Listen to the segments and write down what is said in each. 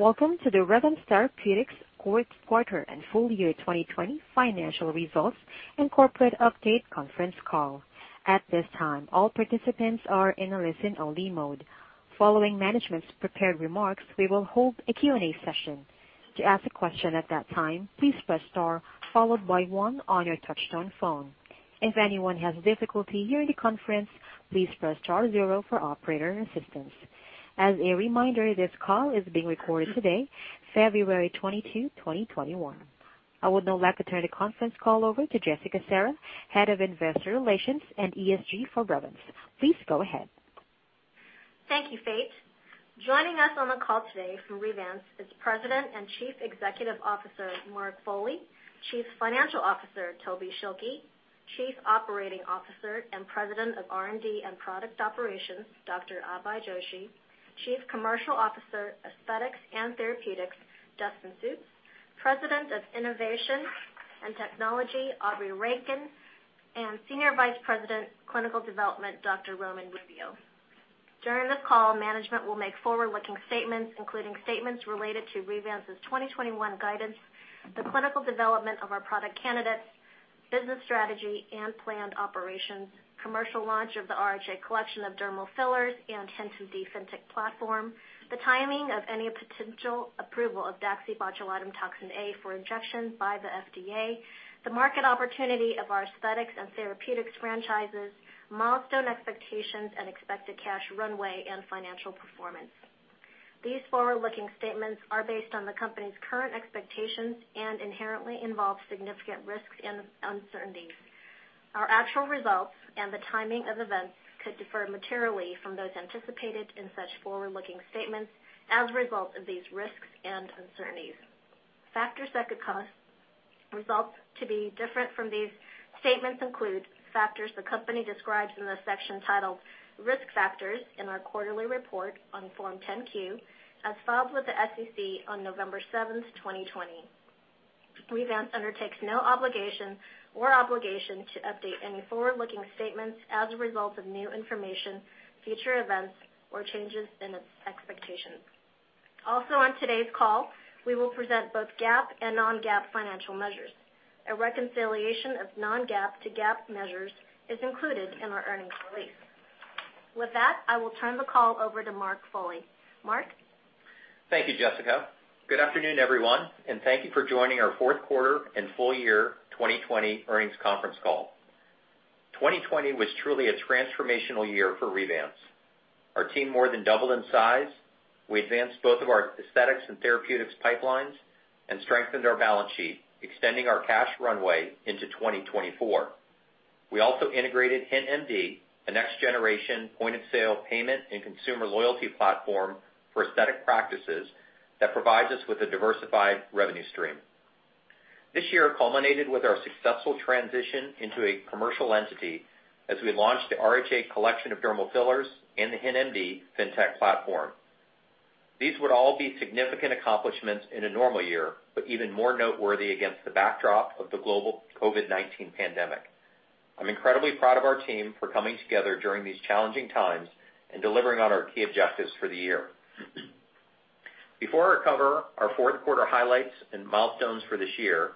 Welcome to the Revance Therapeutics Fourth Quarter and Full Year 2020 Financial Results and Corporate Update Conference Call. At this time, all participants are in a listen-only mode. Following management's prepared remarks, we will hold a Q&A session. To ask a question at that time, please press star followed by one on your touchtone phone. If anyone has difficulty hearing the conference, please press star zero for operator assistance. As a reminder, this call is being recorded today, February 22, 2021. I would now like to turn the conference call over to Jessica Serra, Head of Investor Relations and ESG for Revance. Please go ahead. Thank you, Faith. Joining us on the call today from Revance is President and Chief Executive Officer, Mark Foley, Chief Financial Officer, Toby Schilke, Chief Operating Officer and President of R&D and Product Operations, Dr. Abhay Joshi, Chief Commercial Officer, Aesthetics and Therapeutics, Dustin Sjuts, President of Innovation and Technology, Aubrey Rankin, and Senior Vice President, Clinical Development, Dr. Roman Rubio. During this call, management will make forward-looking statements, including statements related to Revance's 2021 guidance, the clinical development of our product candidates, business strategy and planned operations, commercial launch of the RHA Collection of dermal fillers and HintMD fintech platform, the timing of any potential approval of daxibotulinumtoxinA for injection by the FDA, the market opportunity of our aesthetics and therapeutics franchises, milestone expectations and expected cash runway and financial performance. These forward-looking statements are based on the company's current expectations and inherently involve significant risks and uncertainties. Our actual results and the timing of events could differ materially from those anticipated in such forward-looking statements as a result of these risks and uncertainties. Factors that could cause results to be different from these statements include factors the company describes in the section titled Risk Factors in our quarterly report on Form 10-Q, as filed with the SEC on November 7th, 2020. Revance undertakes no obligation to update any forward-looking statements as a result of new information, future events, or changes in its expectations. Also on today's call, we will present both GAAP and non-GAAP financial measures. A reconciliation of non-GAAP to GAAP measures is included in our earnings release. With that, I will turn the call over to Mark Foley. Mark? Thank you, Jessica. Good afternoon, everyone, and thank you for joining our fourth quarter and full year 2020 earnings conference call. 2020 was truly a transformational year for Revance. Our team more than doubled in size. We advanced both of our aesthetics and therapeutics pipelines and strengthened our balance sheet, extending our cash runway into 2024. We also integrated HintMD, a next-generation point-of-sale payment and consumer loyalty platform for aesthetic practices that provides us with a diversified revenue stream. This year culminated with our successful transition into a commercial entity as we launched the RHA Collection of dermal fillers and the HintMD fintech platform. These would all be significant accomplishments in a normal year, but even more noteworthy against the backdrop of the global COVID-19 pandemic. I'm incredibly proud of our team for coming together during these challenging times and delivering on our key objectives for the year. Before I cover our fourth quarter highlights and milestones for this year,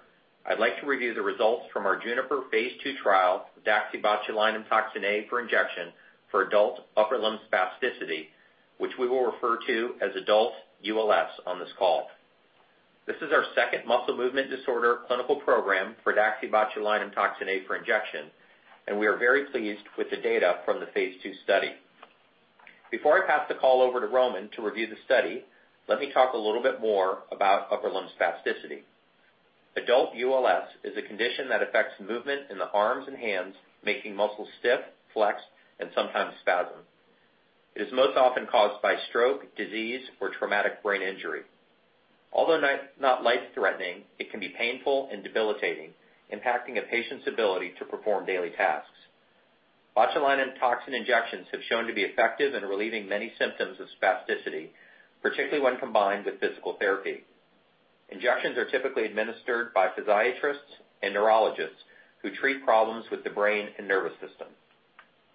I'd like to review the results from our JUNIPER phase II trial of daxibotulinumtoxinA for injection for adult upper limb spasticity, which we will refer to as adult ULS on this call. This is our second muscle movement disorder clinical program for daxibotulinumtoxinA for injection, and we are very pleased with the data from the phase II study. Before I pass the call over to Roman to review the study, let me talk a little bit more about upper limb spasticity. Adult ULS is a condition that affects movement in the arms and hands, making muscles stiff, flexed, and sometimes spasm. It is most often caused by stroke, disease, or traumatic brain injury. Although not life-threatening, it can be painful and debilitating, impacting a patient's ability to perform daily tasks. Botulinum toxin injections have shown to be effective in relieving many symptoms of spasticity, particularly when combined with physical therapy. Injections are typically administered by physiatrists and neurologists who treat problems with the brain and nervous system.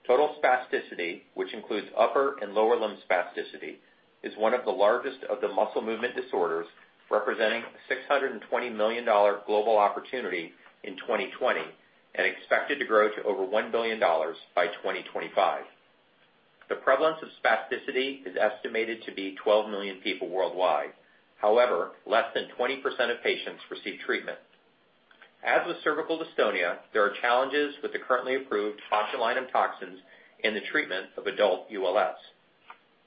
Total spasticity, which includes upper and lower limb spasticity, is one of the largest of the muscle movement disorders, representing a $620 million global opportunity in 2020 and expected to grow to over $1 billion by 2025. The prevalence of spasticity is estimated to be 12 million people worldwide. However, less than 20% of patients receive treatment. As with cervical dystonia, there are challenges with the currently approved botulinum toxins in the treatment of adult ULS.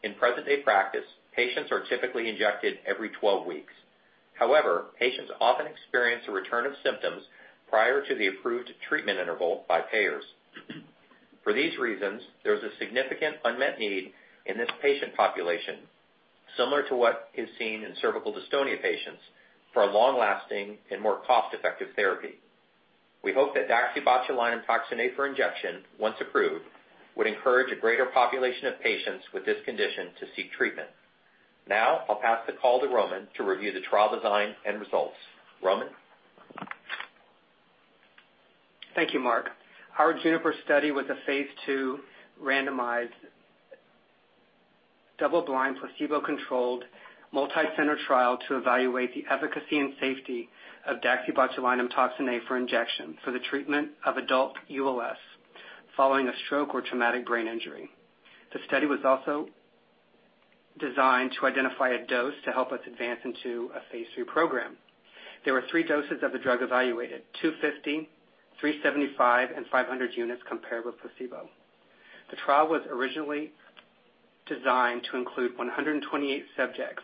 In present-day practice, patients are typically injected every 12 weeks. However, patients often experience a return of symptoms prior to the approved treatment interval by payers. For these reasons, there is a significant unmet need in this patient population, similar to what is seen in cervical dystonia patients, for a long-lasting and more cost-effective therapy. We hope that daxibotulinumtoxinA for injection, once approved, would encourage a greater population of patients with this condition to seek treatment. Now, I'll pass the call to Roman to review the trial design and results. Roman? Thank you, Mark. Our JUNIPER study was a phase II randomized, double-blind, placebo-controlled, multi-center trial to evaluate the efficacy and safety of daxibotulinumtoxinA for injection for the treatment of adult ULS following a stroke or traumatic brain injury. The study was also designed to identify a dose to help us advance into a phase III program. There were three doses of the drug evaluated, 250, 375, and 500 units compared with placebo. The trial was originally designed to include 128 subjects.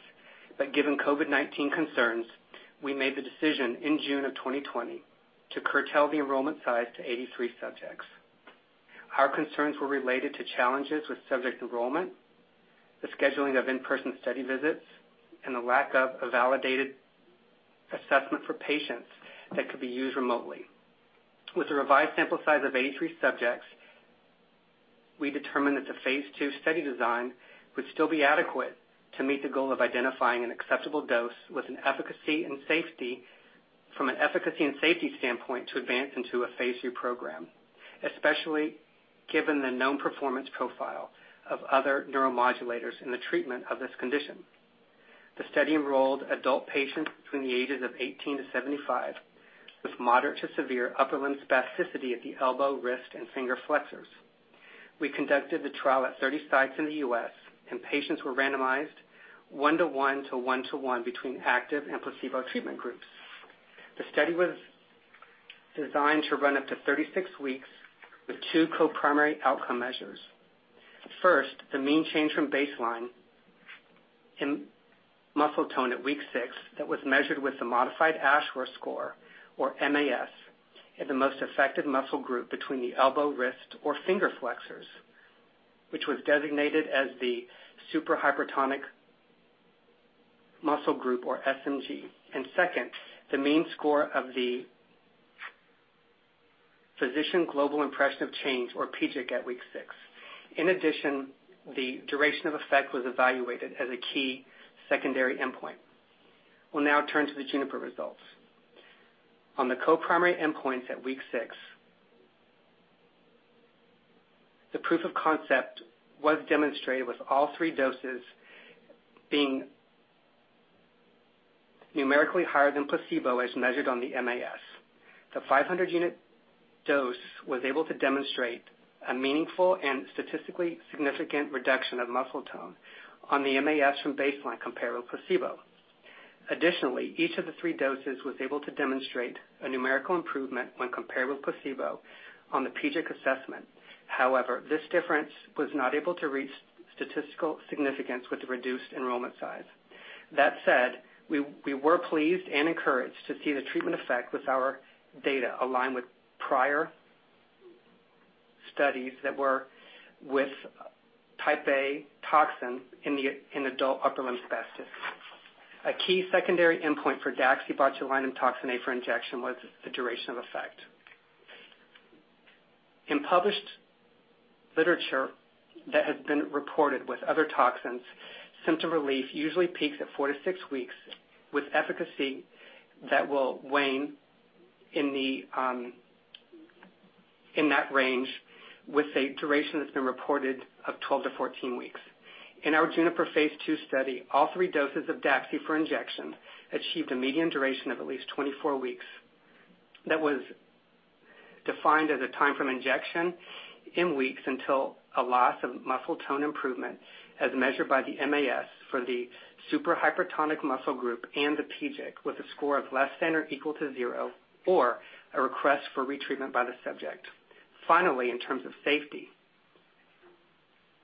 Given COVID-19 concerns, we made the decision in June of 2020 to curtail the enrollment size to 83 subjects. Our concerns were related to challenges with subject enrollment, the scheduling of in-person study visits, and the lack of a validated assessment for patients that could be used remotely. With a revised sample size of 83 subjects, we determined that the phase II study design would still be adequate to meet the goal of identifying an acceptable dose from an efficacy and safety standpoint to advance into a phase III program, especially given the known performance profile of other neuromodulators in the treatment of this condition. The study enrolled adult patients between the ages of 18-75 with moderate to severe upper limb spasticity at the elbow, wrist, and finger flexors. We conducted the trial at 30 sites in the U.S., and patients were randomized one-to-one to one-to-one between active and placebo treatment groups. The study was designed to run up to 36 weeks with two co-primary outcome measures. First, the mean change from baseline in muscle tone at week six that was measured with the modified Ashworth score, or MAS, at the most affected muscle group between the elbow, wrist, or finger flexors, which was designated as the super hypertonic muscle group, or SMG. Second, the mean score of the physician global impression of change, or PGIC, at week six. In addition, the duration of effect was evaluated as a key secondary endpoint. We'll now turn to the JUNIPER results. On the co-primary endpoints at week six, the proof of concept was demonstrated with all three doses being numerically higher than placebo as measured on the MAS. The 500-unit dose was able to demonstrate a meaningful and statistically significant reduction of muscle tone on the MAS from baseline compared with placebo. Additionally, each of the three doses was able to demonstrate a numerical improvement when compared with placebo on the PGIC assessment. However, this difference was not able to reach statistical significance with the reduced enrollment size. That said, we were pleased and encouraged to see the treatment effect with our data align with prior studies that were with type A toxin in adult upper limb spasticity. A key secondary endpoint for daxibotulinumtoxinA for injection was the duration of effect. In published literature that has been reported with other toxins, symptom relief usually peaks at four to six weeks, with efficacy that will wane in that range with a duration that's been reported of 12 to 14 weeks. In our JUNIPER phase II study, all three doses of DAXI for injection achieved a median duration of at least 24 weeks. That was defined as a time from injection in weeks until a loss of muscle tone improvement as measured by the MAS for the super hypertonic muscle group and the PGIC with a score of less than or equal to zero, or a request for retreatment by the subject. In terms of safety,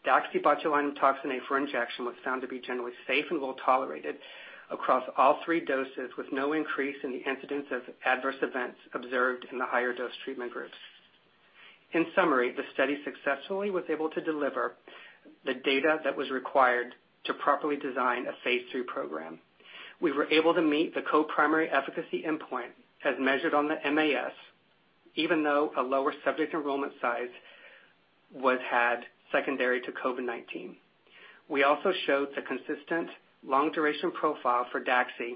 daxibotulinumtoxinA for injection was found to be generally safe and well-tolerated across all three doses, with no increase in the incidence of adverse events observed in the higher dose treatment groups. The study successfully was able to deliver the data that was required to properly design a phase III program. We were able to meet the co-primary efficacy endpoint as measured on the MAS, even though a lower subject enrollment size was had secondary to COVID-19. We also showed the consistent long-duration profile for DAXI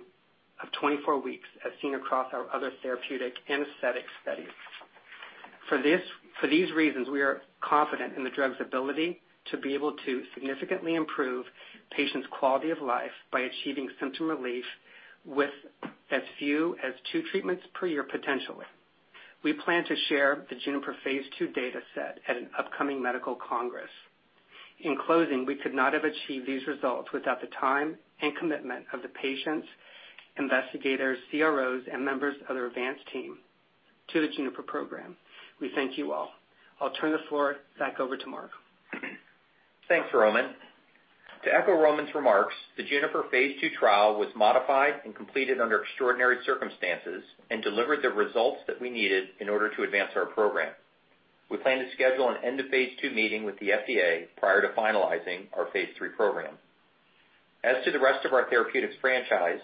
of 24 weeks as seen across our other therapeutic aesthetic studies. For these reasons, we are confident in the drug's ability to be able to significantly improve patients' quality of life by achieving symptom relief with as few as two treatments per year potentially. We plan to share the JUNIPER phase II data set at an upcoming medical congress. In closing, we could not have achieved these results without the time and commitment of the patients, investigators, CROs, and members of the Revance team to the JUNIPER program. We thank you all. I'll turn the floor back over to Mark. Thanks, Roman. To echo Roman's remarks, the JUNIPER phase II trial was modified and completed under extraordinary circumstances and delivered the results that we needed in order to advance our program. We plan to schedule an end-of-phase II meeting with the FDA prior to finalizing our phase III program. As to the rest of our therapeutics franchise,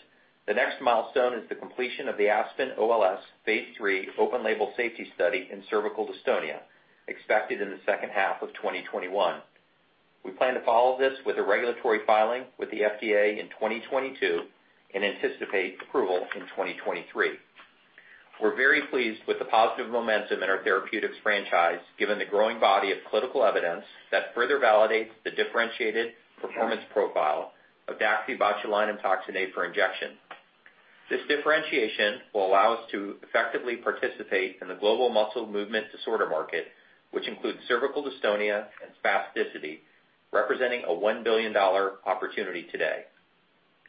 the next milestone is the completion of the ASPEN-OLS phase III open label safety study in cervical dystonia, expected in the second half of 2021. We plan to follow this with a regulatory filing with the FDA in 2022 and anticipate approval in 2023. We're very pleased with the positive momentum in our therapeutics franchise, given the growing body of clinical evidence that further validates the differentiated performance profile of daxibotulinumtoxinA for injection. This differentiation will allow us to effectively participate in the global muscle movement disorder market, which includes cervical dystonia and spasticity, representing a $1 billion opportunity today.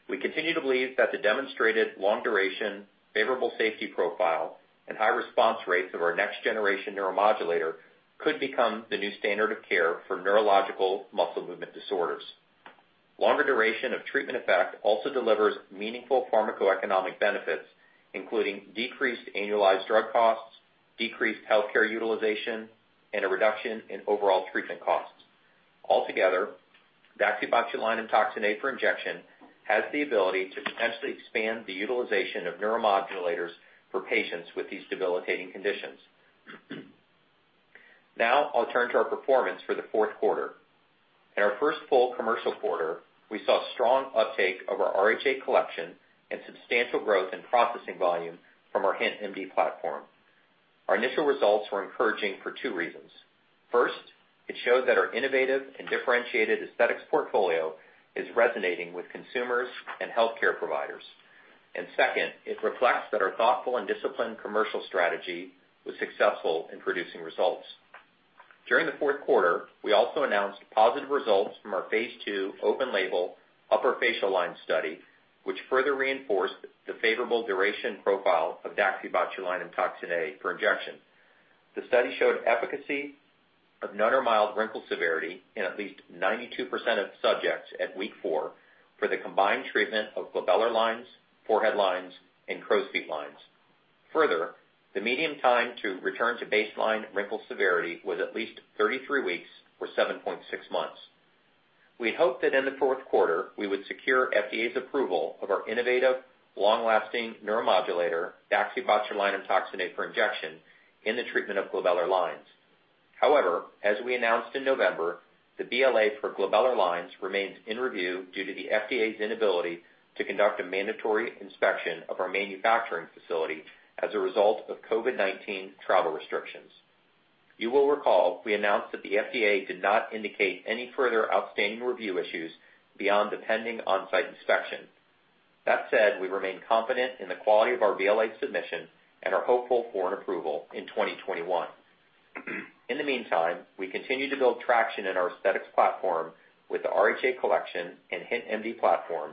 We continue to believe that the demonstrated long duration, favorable safety profile, and high response rates of our next generation neuromodulator could become the new standard of care for neurological muscle movement disorders. Longer duration of treatment effect also delivers meaningful pharmacoeconomic benefits, including decreased annualized drug costs, decreased healthcare utilization, and a reduction in overall treatment costs. Altogether, daxibotulinumtoxinA for injection has the ability to potentially expand the utilization of neuromodulators for patients with these debilitating conditions. I'll turn to our performance for the fourth quarter. In our first full commercial quarter, we saw strong uptake of our RHA Collection and substantial growth in processing volume from our HintMD platform. Our initial results were encouraging for two reasons. First, it showed that our innovative and differentiated aesthetics portfolio is resonating with consumers and healthcare providers. Second, it reflects that our thoughtful and disciplined commercial strategy was successful in producing results. During the fourth quarter, we also announced positive results from our phase II open label upper facial line study, which further reinforced the favorable duration profile of daxibotulinumtoxinA for injection. The study showed efficacy of none or mild wrinkle severity in at least 92% of subjects at week four for the combined treatment of glabellar lines, forehead lines, and crow's feet lines. Further, the median time to return to baseline wrinkle severity was at least 33 weeks or 7.6 months. We had hoped that in the fourth quarter, we would secure FDA's approval of our innovative, long-lasting neuromodulator, daxibotulinumtoxinA for injection in the treatment of glabellar lines. However, as we announced in November, the BLA for glabellar lines remains in review due to the FDA's inability to conduct a mandatory inspection of our manufacturing facility as a result of COVID-19 travel restrictions. You will recall we announced that the FDA did not indicate any further outstanding review issues beyond the pending onsite inspection. That said, we remain confident in the quality of our BLA submission and are hopeful for an approval in 2021. In the meantime, we continue to build traction in our aesthetics platform with the RHA Collection and HintMD platform,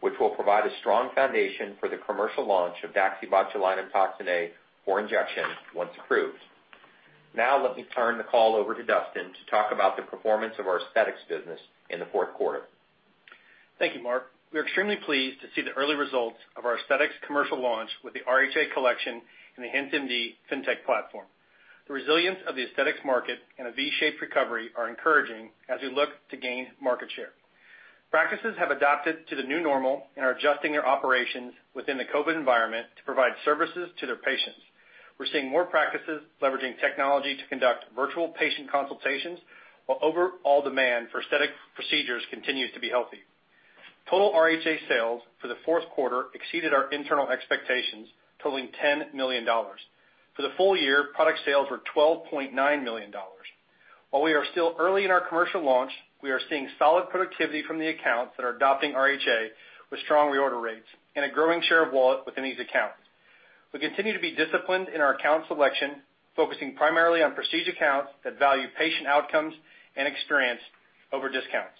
which will provide a strong foundation for the commercial launch of daxibotulinumtoxinA for injection once approved. Now let me turn the call over to Dustin to talk about the performance of our aesthetics business in the fourth quarter. Thank you, Mark. We are extremely pleased to see the early results of our aesthetics commercial launch with the RHA Collection and the HintMD fintech platform. The resilience of the aesthetics market and a V-shaped recovery are encouraging as we look to gain market share. Practices have adapted to the new normal and are adjusting their operations within the COVID environment to provide services to their patients. We're seeing more practices leveraging technology to conduct virtual patient consultations, while overall demand for aesthetic procedures continues to be healthy. Total RHA sales for the fourth quarter exceeded our internal expectations, totaling $10 million. For the full year, product sales were $12.9 million. While we are still early in our commercial launch, we are seeing solid productivity from the accounts that are adopting RHA with strong reorder rates and a growing share of wallet within these accounts. We continue to be disciplined in our account selection, focusing primarily on prestige accounts that value patient outcomes and experience over discounts.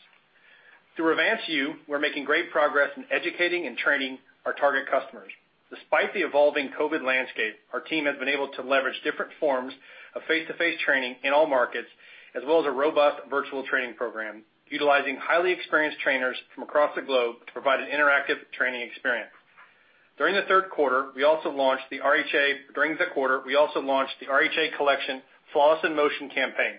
Through Revance U, we're making great progress in educating and training our target customers. Despite the evolving COVID landscape, our team has been able to leverage different forms of face-to-face training in all markets, as well as a robust virtual training program, utilizing highly experienced trainers from across the globe to provide an interactive training experience. During the third quarter, we also launched the RHA Collection Flawless in Motion campaign.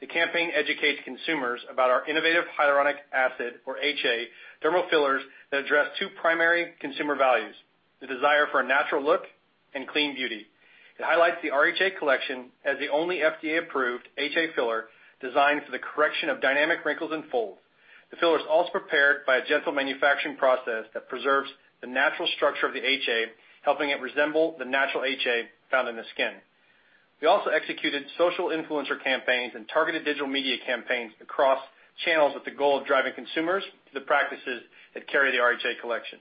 The campaign educates consumers about our innovative hyaluronic acid, or HA, dermal fillers that address two primary consumer values, the desire for a natural look and clean beauty. It highlights the RHA Collection as the only FDA-approved HA filler designed for the correction of dynamic wrinkles and folds. The filler is also prepared by a gentle manufacturing process that preserves the natural structure of the HA, helping it resemble the natural HA found in the skin. We also executed social influencer campaigns and targeted digital media campaigns across channels with the goal of driving consumers to the practices that carry the RHA Collection.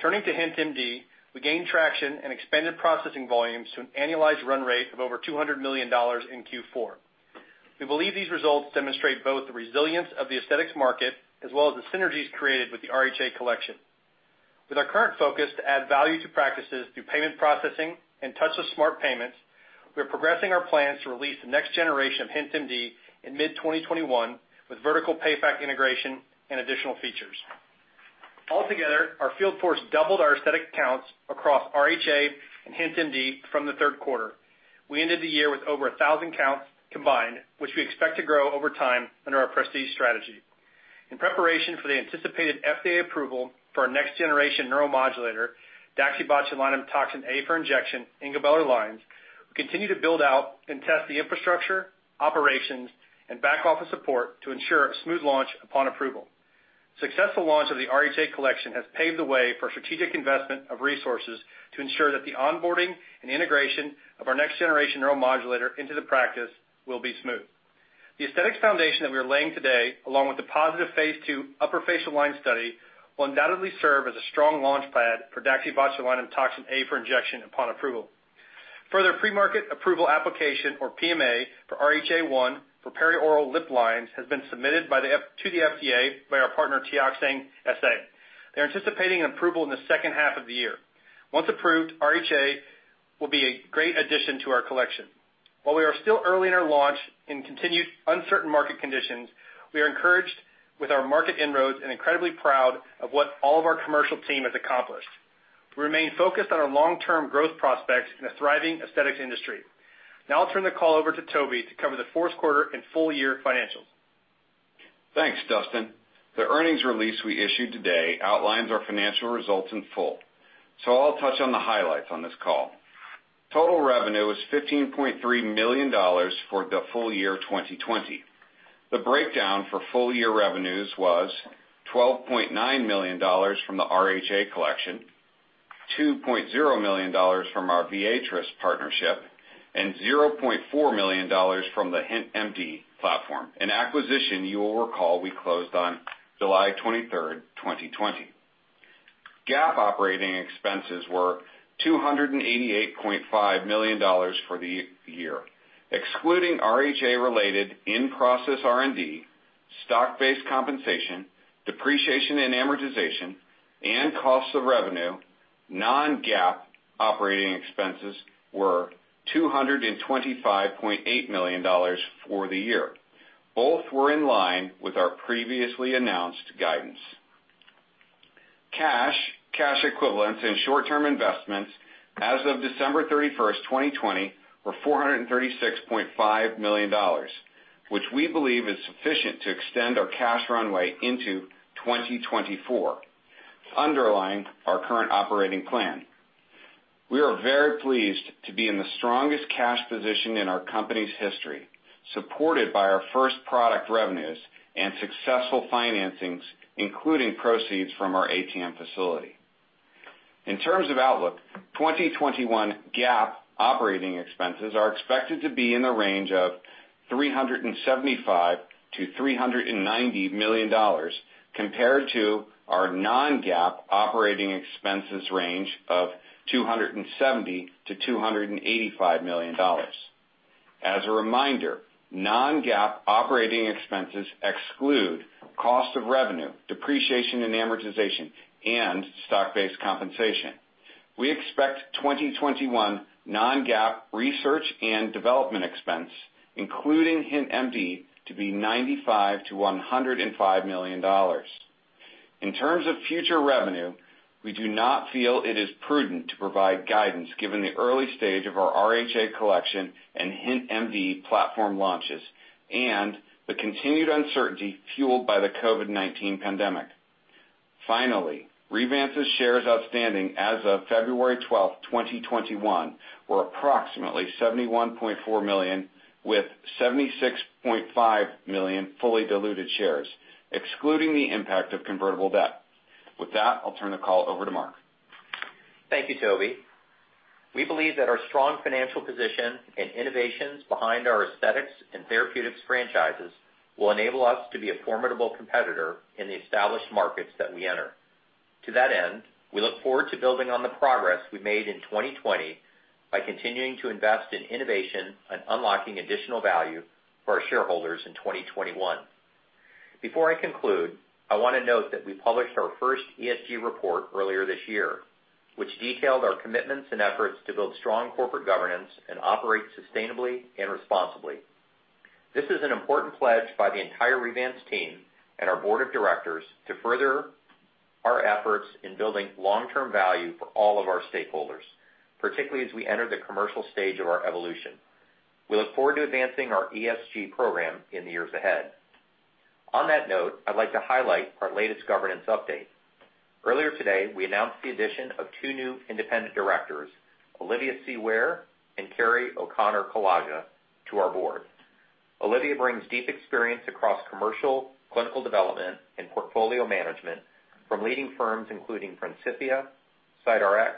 Turning to HintMD, we gained traction and expanded processing volumes to an annualized run rate of over $200 million in Q4. We believe these results demonstrate both the resilience of the aesthetics market as well as the synergies created with the RHA Collection. With our current focus to add value to practices through payment processing and touchless smart payments, we are progressing our plans to release the next generation of HintMD in mid-2021 with vertical PayFac integration and additional features. Altogether, our field force doubled our aesthetic accounts across RHA and HintMD from the third quarter. We ended the year with over 1,000 accounts combined, which we expect to grow over time under our prestige strategy. In preparation for the anticipated FDA approval for our next-generation neuromodulator, daxibotulinumtoxinA for injection, in glabellar lines, we continue to build out and test the infrastructure, operations, and back office support to ensure a smooth launch upon approval. Successful launch of the RHA Collection has paved the way for strategic investment of resources to ensure that the onboarding and integration of our next generation neuromodulator into the practice will be smooth. The aesthetics foundation that we are laying today, along with the positive phase II upper facial line study, will undoubtedly serve as a strong launchpad for daxibotulinumtoxinA for injection upon approval. Further pre-market approval application or PMA for RHA 1 for perioral lip lines has been submitted to the FDA by our partner, Teoxane SA. They're anticipating an approval in the second half of the year. Once approved, RHA will be a great addition to our collection. While we are still early in our launch, in continued uncertain market conditions, we are encouraged with our market inroads and incredibly proud of what all of our commercial team has accomplished. We remain focused on our long-term growth prospects in a thriving aesthetics industry. Now I'll turn the call over to Toby to cover the fourth quarter and full year financials. Thanks, Dustin. The earnings release we issued today outlines our financial results in full, so I'll touch on the highlights on this call. Total revenue is $15.3 million for the full year 2020. The breakdown for full year revenues was $12.9 million from the RHA Collection, $2.0 million from our Viatris partnership, and $0.4 million from the HintMD platform, an acquisition you will recall we closed on July 23rd, 2020. GAAP operating expenses were $288.5 million for the year. Excluding RHA related in-process R&D, stock-based compensation, depreciation and amortization, and cost of revenue, non-GAAP operating expenses were $225.8 million for the year. Both were in line with our previously announced guidance. Cash, cash equivalents, and short-term investments as of December 31st, 2020, were $436.5 million, which we believe is sufficient to extend our cash runway into 2024, underlying our current operating plan. We are very pleased to be in the strongest cash position in our company's history, supported by our first product revenues and successful financings, including proceeds from our ATM facility. In terms of outlook, 2021 GAAP operating expenses are expected to be in the range of $375 million-$390 million, compared to our non-GAAP operating expenses range of $270 million-$285 million. As a reminder, non-GAAP operating expenses exclude cost of revenue, depreciation and amortization, and stock-based compensation. We expect 2021 non-GAAP research and development expense, including HintMD, to be $95 million-$105 million. In terms of future revenue, we do not feel it is prudent to provide guidance given the early stage of our RHA Collection and HintMD platform launches and the continued uncertainty fueled by the COVID-19 pandemic. Finally, Revance's shares outstanding as of February 12th, 2021, were approximately 71.4 million, with 76.5 million fully diluted shares, excluding the impact of convertible debt. With that, I'll turn the call over to Mark. Thank you, Toby. We believe that our strong financial position and innovations behind our aesthetics and therapeutics franchises will enable us to be a formidable competitor in the established markets that we enter. To that end, we look forward to building on the progress we made in 2020 by continuing to invest in innovation and unlocking additional value for our shareholders in 2021. Before I conclude, I want to note that we published our first ESG report earlier this year, which detailed our commitments and efforts to build strong corporate governance and operate sustainably and responsibly. This is an important pledge by the entire Revance team and our board of directors to further our efforts in building long-term value for all of our stakeholders, particularly as we enter the commercial stage of our evolution. We look forward to advancing our ESG program in the years ahead. On that note, I'd like to highlight our latest governance update. Earlier today, we announced the addition of two new independent directors, Olivia C. Ware and Carey O'Connor Kolaja, to our board. Olivia brings deep experience across commercial, clinical development, and portfolio management from leading firms including Principia, CytRx,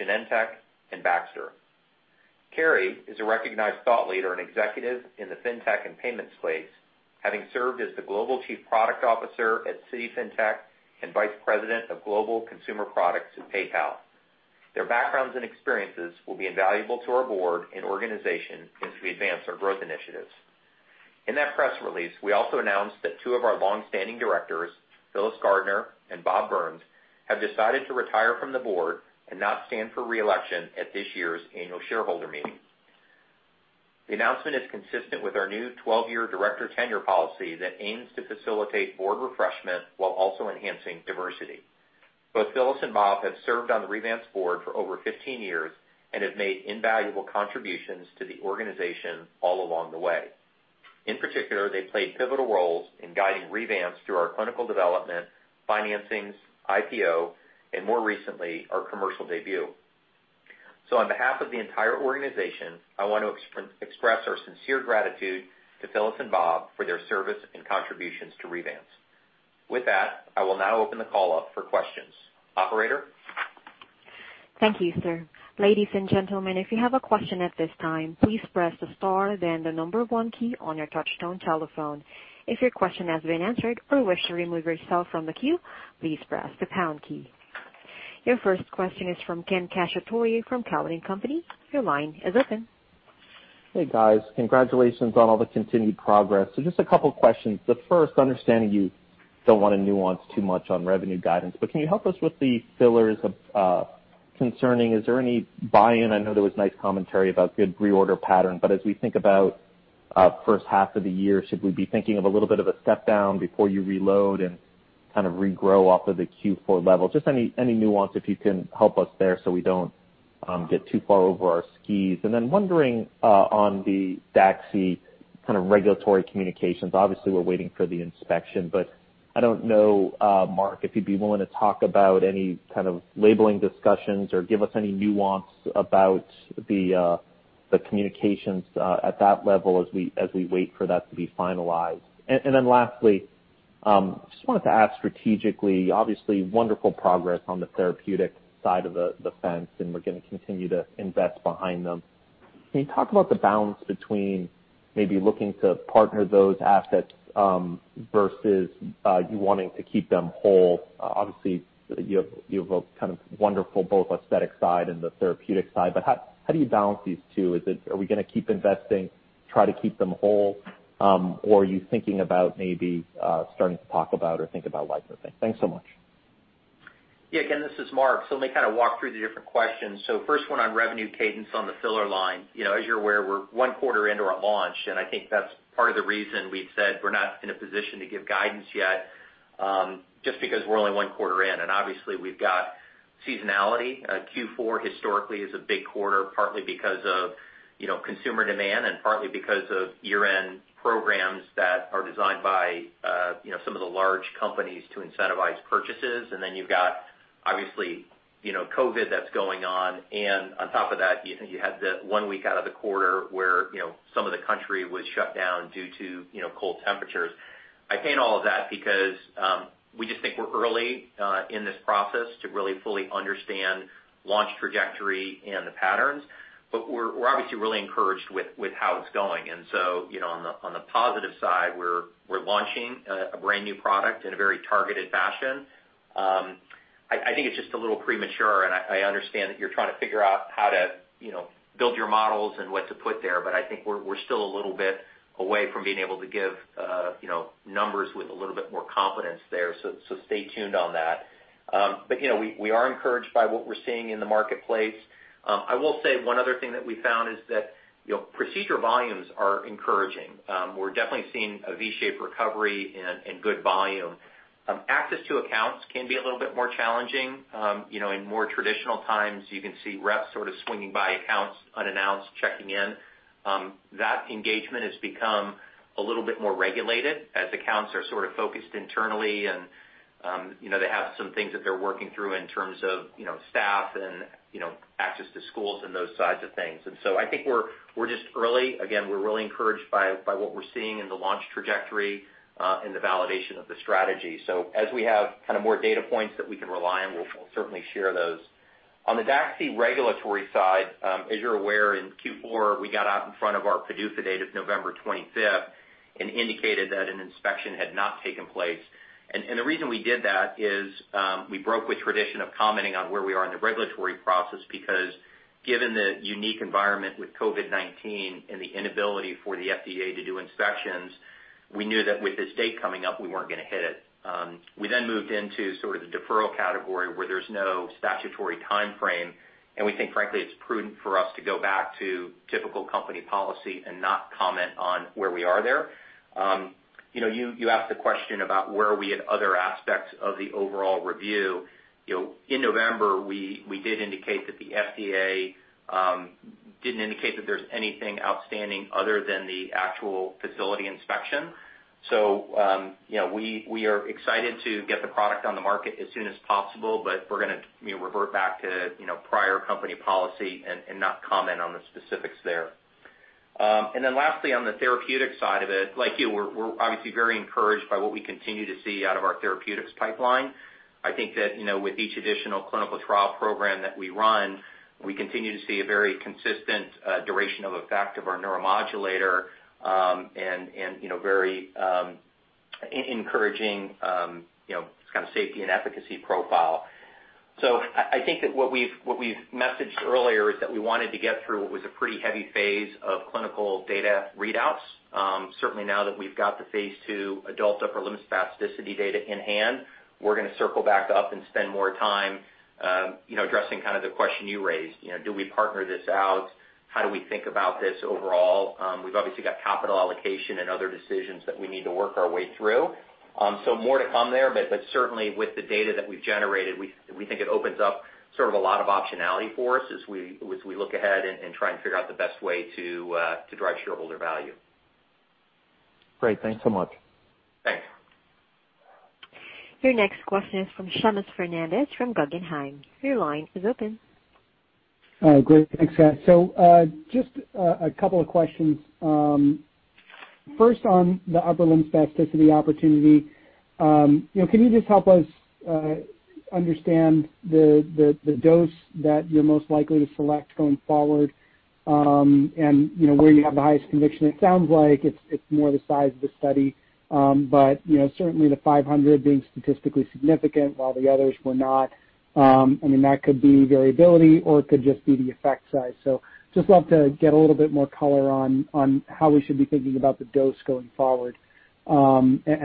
Genentech, and Baxter. Carey is a recognized thought leader and executive in the fintech and payments space, having served as the Global Chief Product Officer at Citi FinTech and Vice President of Global Consumer Products at PayPal. Their backgrounds and experiences will be invaluable to our board and organization as we advance our growth initiatives. In that press release, we also announced that two of our longstanding directors, Phyllis Gardner and Bob Byrnes, have decided to retire from the board and not stand for re-election at this year's annual shareholder meeting. The announcement is consistent with our new 12-year director tenure policy that aims to facilitate board refreshment while also enhancing diversity. Both Phyllis and Bob have served on the Revance board for over 15 years and have made invaluable contributions to the organization all along the way. In particular, they played pivotal roles in guiding Revance through our clinical development, financings, IPO, and more recently, our commercial debut. On behalf of the entire organization, I want to express our sincere gratitude to Phyllis and Bob for their service and contributions to Revance. With that, I will now open the call up for questions. Operator? Thank you, sir. Ladies and gentlemen, if you have a question at this time, please press the star, then the number one key on your touchtone telephone. If your question has been answered or wish to remove yourself from the queue, please press the pound key. Your first question is from Ken Cacciatore from Cowen and Company. Your line is open. Hey, guys. Congratulations on all the continued progress. Just a couple questions. The first, understanding you don't want to nuance too much on revenue guidance, but can you help us with the fillers concerning, is there any buy-in? I know there was nice commentary about good reorder pattern, but as we think about first half of the year, should we be thinking of a little bit of a step down before you reload and kind of regrow off of the Q4 level? Just any nuance, if you can help us there so we don't get too far over our skis. Wondering on the DAXI kind of regulatory communications. We're waiting for the inspection, but I don't know, Mark, if you'd be willing to talk about any kind of labeling discussions or give us any nuance about the communications at that level as we wait for that to be finalized. Lastly, just wanted to ask strategically, obviously wonderful progress on the therapeutic side of the fence, and we're going to continue to invest behind them. Can you talk about the balance between maybe looking to partner those assets versus you wanting to keep them whole? You have a kind of wonderful both aesthetic side and the therapeutic side, but how do you balance these two? Are we going to keep investing, try to keep them whole, or are you thinking about maybe starting to talk about or think about licensing? Thanks so much. Yeah, Ken, this is Mark. Let me kind of walk through the different questions. First one on revenue cadence on the filler line. As you're aware, we're one quarter into our launch, and I think that's part of the reason we've said we're not in a position to give guidance yet, just because we're only one quarter in. Obviously we've got seasonality. Q4 historically is a big quarter, partly because of consumer demand and partly because of year-end programs that are designed by some of the large companies to incentivize purchases. You've got obviously COVID that's going on, and on top of that, you had the one week out of the quarter where some of the country was shut down due to cold temperatures. I paint all of that because we just think we're early in this process to really fully understand launch trajectory and the patterns. We're obviously really encouraged with how it's going. On the positive side, we're launching a brand new product in a very targeted fashion. I think it's just a little premature, and I understand that you're trying to figure out how to build your models and what to put there, but I think we're still a little bit away from being able to give numbers with a little bit more confidence there. Stay tuned on that. We are encouraged by what we're seeing in the marketplace. I will say one other thing that we found is that procedure volumes are encouraging. We're definitely seeing a V-shaped recovery and good volume. Access to accounts can be a little bit more challenging. In more traditional times, you can see reps sort of swinging by accounts unannounced, checking in. That engagement has become a little bit more regulated as accounts are sort of focused internally and they have some things that they're working through in terms of staff and access to schools and those sides of things. I think we're just early. Again, we're really encouraged by what we're seeing in the launch trajectory and the validation of the strategy. As we have kind of more data points that we can rely on, we'll certainly share those. On the DAXI regulatory side, as you're aware, in Q4, we got out in front of our PDUFA date of November 25th and indicated that an inspection had not taken place. The reason we did that is we broke with tradition of commenting on where we are in the regulatory process because given the unique environment with COVID-19 and the inability for the FDA to do inspections, we knew that with this date coming up, we weren't going to hit it. We moved into sort of the deferral category where there's no statutory timeframe, and we think, frankly, it's prudent for us to go back to typical company policy and not comment on where we are there. You asked the question about where are we at other aspects of the overall review. In November, we did indicate that the FDA didn't indicate that there's anything outstanding other than the actual facility inspection. We are excited to get the product on the market as soon as possible, but we're going to revert back to prior company policy and not comment on the specifics there. Lastly, on the therapeutic side of it, like you, we're obviously very encouraged by what we continue to see out of our therapeutics pipeline. I think that with each additional clinical trial program that we run, we continue to see a very consistent duration of effect of our neuromodulator, and very encouraging kind of safety and efficacy profile. I think that what we've messaged earlier is that we wanted to get through what was a pretty heavy phase of clinical data readouts. Certainly now that we've got the phase II adult upper limb spasticity data in hand, we're going to circle back up and spend more time addressing the question you raised, do we partner this out? How do we think about this overall? We've obviously got capital allocation and other decisions that we need to work our way through. More to come there, but certainly with the data that we've generated, we think it opens up sort of a lot of optionality for us as we look ahead and try and figure out the best way to drive shareholder value. Great. Thanks so much. Thanks. Your next question is from Seamus Fernandez from Guggenheim. Your line is open. Great. Thanks. Just a couple of questions. First on the upper limb spasticity opportunity. Can you just help us understand the dose that you're most likely to select going forward, and where you have the highest conviction? It sounds like it's more the size of the study. Certainly the 500 being statistically significant while the others were not. I mean, that could be variability or it could just be the effect size. Just love to get a little bit more color on how we should be thinking about the dose going forward. The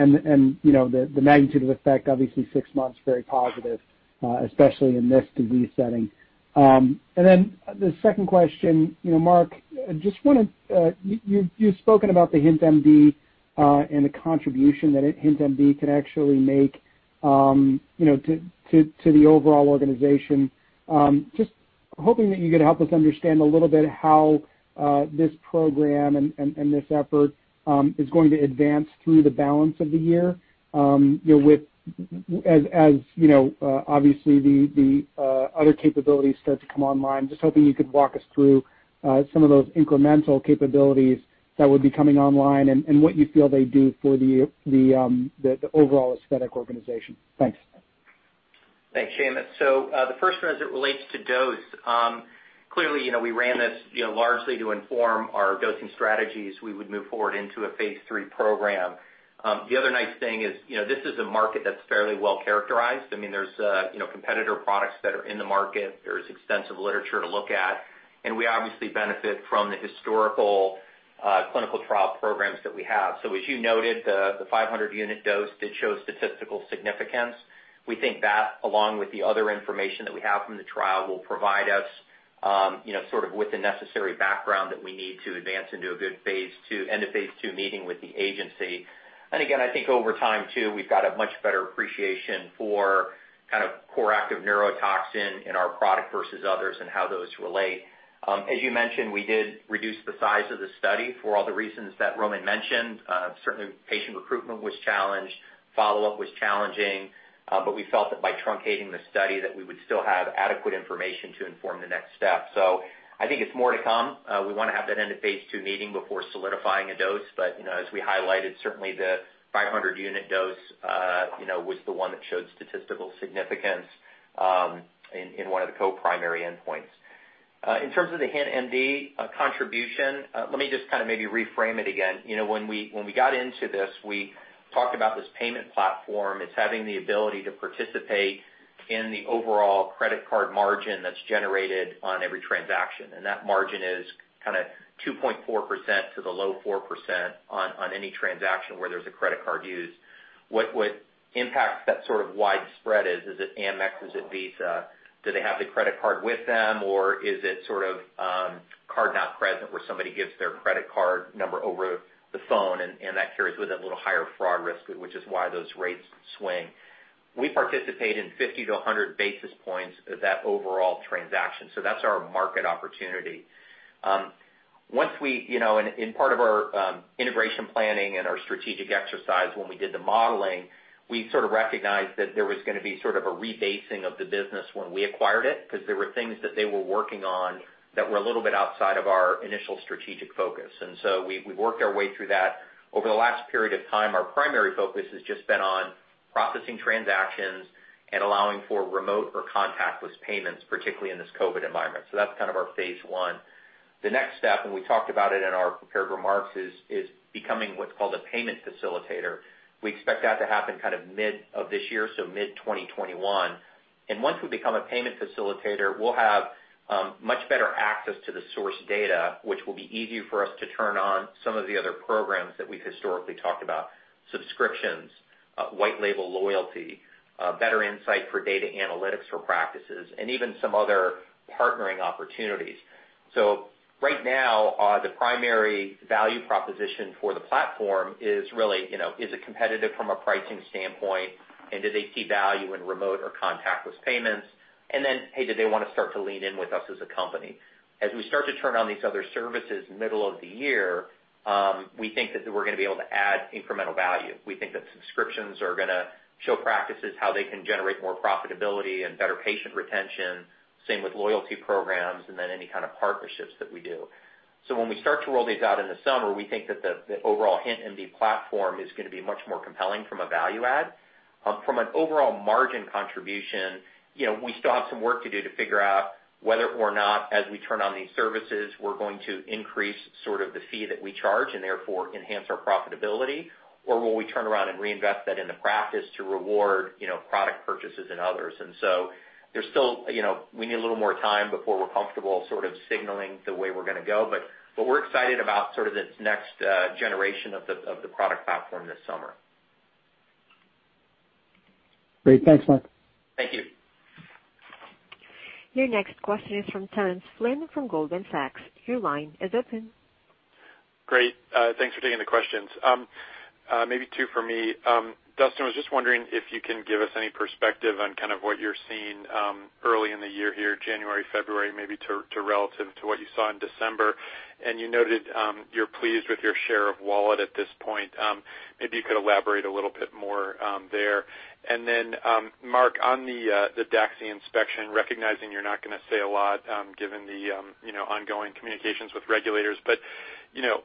magnitude of effect, obviously six months, very positive, especially in this disease setting. The second question, Mark, you've spoken about the HintMD and the contribution that HintMD can actually make to the overall organization. Just hoping that you could help us understand a little bit how this program and this effort is going to advance through the balance of the year as obviously the other capabilities start to come online. Just hoping you could walk us through some of those incremental capabilities that would be coming online and what you feel they do for the overall aesthetic organization. Thanks. Thanks, Seamus. The first one as it relates to dose, clearly we ran this largely to inform our dosing strategies we would move forward into a phase III program. The other nice thing is, this is a market that's fairly well-characterized. I mean, there's competitor products that are in the market. There's extensive literature to look at. We obviously benefit from the historical clinical trial programs that we have. As you noted, the 500-unit dose did show statistical significance. We think that along with the other information that we have from the trial will provide us sort of with the necessary background that we need to advance into a good end of phase II meeting with the agency. Again, I think over time, too, we've got a much better appreciation for kind of core active neurotoxin in our product versus others and how those relate. As you mentioned, we did reduce the size of the study for all the reasons that Roman mentioned. Certainly patient recruitment was challenged, follow-up was challenging. We felt that by truncating the study that we would still have adequate information to inform the next step. I think it's more to come. We want to have that end of phase II meeting before solidifying a dose. As we highlighted, certainly the 500-unit dose was the one that showed statistical significance in one of the co-primary endpoints. In terms of the HintMD contribution, let me just kind of maybe reframe it again. When we got into this, we talked about this payment platform as having the ability to participate in the overall credit card margin that's generated on every transaction. That margin is kind of 2.4% to the low 4% on any transaction where there's a credit card used. What impact that sort of widespread is it Amex? Is it Visa? Do they have the credit card with them or is it sort of card not present where somebody gives their credit card number over the phone and that carries with it a little higher fraud risk, which is why those rates swing. We participate in 50-100 basis points of that overall transaction. That's our market opportunity. In part of our integration planning and our strategic exercise when we did the modeling, we sort of recognized that there was going to be sort of a rebasing of the business when we acquired it, because there were things that they were working on that were a little bit outside of our initial strategic focus. We've worked our way through that. Over the last period of time, our primary focus has just been on processing transactions and allowing for remote or contactless payments, particularly in this COVID environment. That's kind of our phase I. The next step, and we talked about it in our prepared remarks, is becoming what's called a payment facilitator. We expect that to happen kind of mid of this year, so mid-2021. Once we become a payment facilitator, we'll have much better access to the source data, which will be easy for us to turn on some of the other programs that we've historically talked about. Subscriptions, white label loyalty, better insight for data analytics for practices, and even some other partnering opportunities. Right now, the primary value proposition for the platform is really, is it competitive from a pricing standpoint and do they see value in remote or contactless payments? Then, hey, do they want to start to lean in with us as a company? As we start to turn on these other services middle of the year, we think that we're going to be able to add incremental value. We think that subscriptions are going to show practices how they can generate more profitability and better patient retention, same with loyalty programs then any kind of partnerships that we do. When we start to roll these out in the summer, we think that the overall HintMD platform is going to be much more compelling from a value add. From an overall margin contribution, we still have some work to do to figure out whether or not as we turn on these services, we're going to increase sort of the fee that we charge and therefore enhance our profitability or will we turn around and reinvest that in the practice to reward product purchases and others. We need a little more time before we're comfortable sort of signaling the way we're going to go. We're excited about sort of this next generation of the product platform this summer. Great. Thanks, Mark. Thank you. Your next question is from Terence Flynn from Goldman Sachs. Your line is open. Great. Thanks for taking the questions. Maybe two for me. Dustin, I was just wondering if you can give us any perspective on what you're seeing early in the year here, January, February, maybe to relative to what you saw in December. You noted you're pleased with your share of wallet at this point. Maybe you could elaborate a little bit more there. Then, Mark, on the DAXI inspection, recognizing you're not going to say a lot given the ongoing communications with regulators.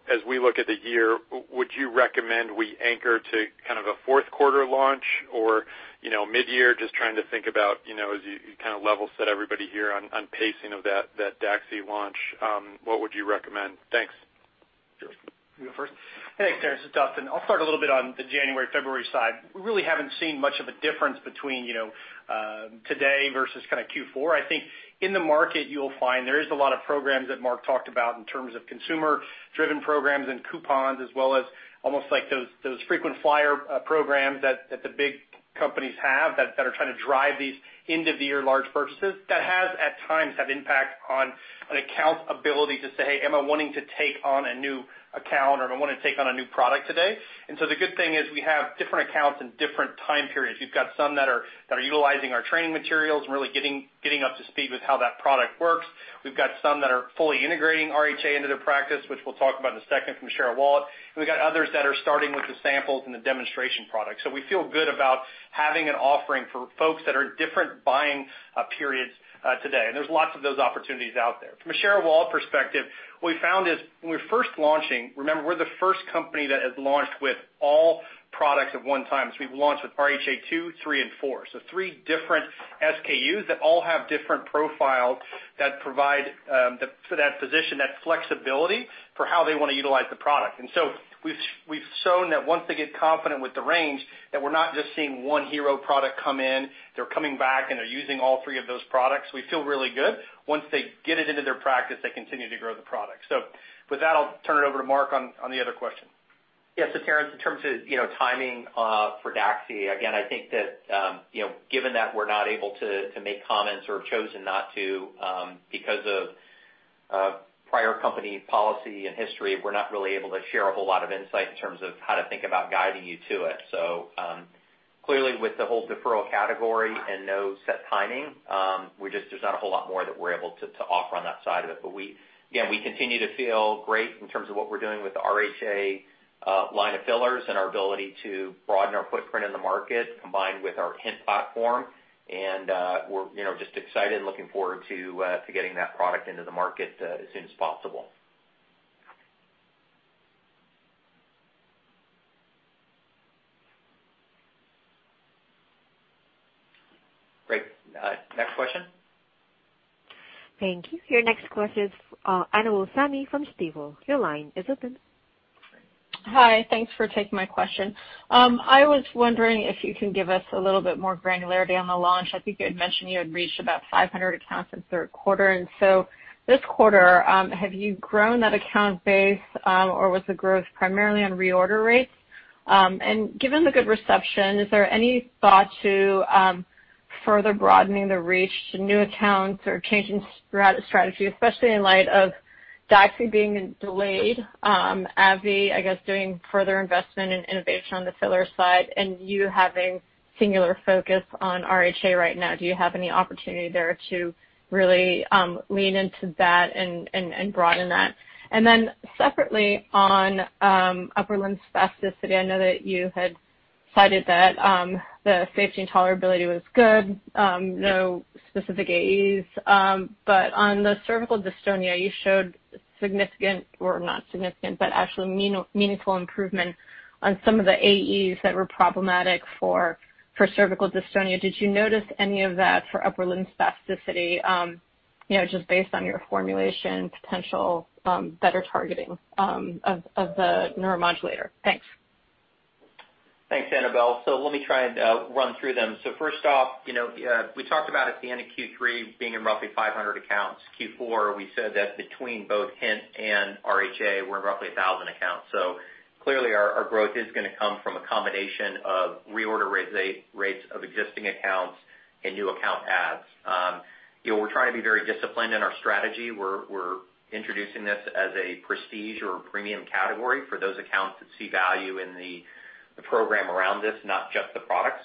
As we look at the year, would you recommend we anchor to a fourth quarter launch or mid-year? Just trying to think about as you level set everybody here on pacing of that DAXI launch. What would you recommend? Thanks. You want to go first? Hey, Terence. This is Dustin. I'll start a little bit on the January, February side. We really haven't seen much of a difference between today versus Q4. I think in the market, you'll find there is a lot of programs that Mark talked about in terms of consumer-driven programs and coupons, as well as almost like those frequent flyer programs that the big companies have that are trying to drive these end-of-year large purchases. That has, at times, had impact on an account's ability to say, "Am I wanting to take on a new account, or do I want to take on a new product today?" The good thing is we have different accounts and different time periods. We've got some that are utilizing our training materials and really getting up to speed with how that product works. We've got some that are fully integrating RHA into their practice, which we'll talk about in a second from a share of wallet. We've got others that are starting with the samples and the demonstration products. We feel good about having an offering for folks that are in different buying periods today. There's lots of those opportunities out there. From a share of wallet perspective, what we found is when we were first launching, remember, we're the first company that has launched with all products at one time. We've launched with RHA 2, 3, and 4. Three different SKUs that all have different profiles that provide, for that physician, that flexibility for how they want to utilize the product. We've shown that once they get confident with the range, that we're not just seeing one hero product come in. They're coming back and they're using all three of those products. We feel really good. Once they get it into their practice, they continue to grow the product. With that, I'll turn it over to Mark on the other question. Terence, in terms of timing for DAXI, again, I think that given that we're not able to make comments or have chosen not to because of prior company policy and history, we're not really able to share a whole lot of insight in terms of how to think about guiding you to it. Clearly, with the whole deferral category and no set timing, there's not a whole lot more that we're able to offer on that side of it. Again, we continue to feel great in terms of what we're doing with the RHA line of fillers and our ability to broaden our footprint in the market combined with our HINT platform. We're just excited and looking forward to getting that product into the market as soon as possible. Great. Next question? Thank you. Your next question is Annabel Samimy from Stifel. Your line is open. Hi. Thanks for taking my question. I was wondering if you can give us a little bit more granularity on the launch. I think you had mentioned you had reached about 500 accounts in the third quarter. This quarter, have you grown that account base, or was the growth primarily on reorder rates? Given the good reception, is there any thought to further broadening the reach to new accounts or changing strategy, especially in light of DAXI being delayed, AbbVie, I guess, doing further investment in innovation on the filler side, and you having singular focus on RHA right now? Do you have any opportunity there to really lean into that and broaden that? Separately, on upper limb spasticity, I know that you had cited that the safety and tolerability was good. No specific AEs. On the cervical dystonia, you showed significant, or not significant, but actually meaningful improvement on some of the AEs that were problematic for cervical dystonia. Did you notice any of that for upper limb spasticity, just based on your formulation potential better targeting of the neuromodulator? Thanks. Thanks, Annabel. Let me try and run through them. First off, we talked about at the end of Q3 being in roughly 500 accounts. Q4, we said that between both HINT and RHA, we're in roughly 1,000 accounts. Clearly our growth is going to come from a combination of reorder rates of existing accounts and new account adds. We're trying to be very disciplined in our strategy. We're introducing this as a prestige or premium category for those accounts that see value in the program around this, not just the products.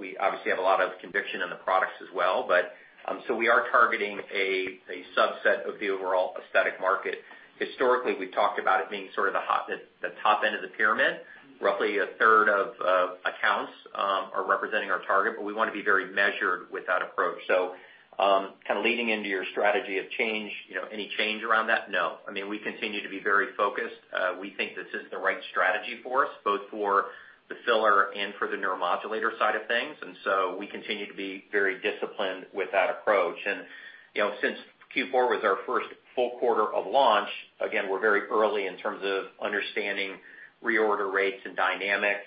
We obviously have a lot of conviction in the products as well. We are targeting a subset of the overall aesthetic market. Historically, we've talked about it being sort of the top end of the pyramid. Roughly a third of accounts are representing our target, but we want to be very measured with that approach. Leading into your strategy of change, any change around that? No. We continue to be very focused. We think this is the right strategy for us, both for the filler and for the neuromodulator side of things. We continue to be very disciplined with that approach. Since Q4 was our first full quarter of launch, again, we're very early in terms of understanding reorder rates and dynamics.